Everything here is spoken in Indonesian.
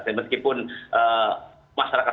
dan meskipun masyarakat